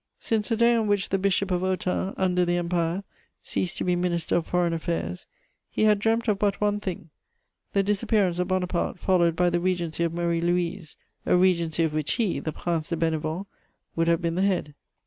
Since the day on which the Bishop of Autun, under the Empire, ceased to be Minister of Foreign Affairs, he had dreamt of but one thing, the disappearance of Bonaparte followed by the regency of Marie Louise, a regency of which he, the Prince de Bénévent, would have been the head.